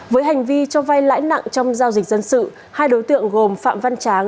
với hành vi cho vay lãi nặng trong giao dịch dân sự hai đối tượng gồm phạm văn tráng